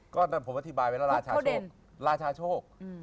ก็แต่ผมอธิบายไว้ล่ะราชาโชค